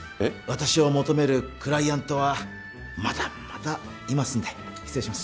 私を求めるクライアントはまだまだいますんで失礼します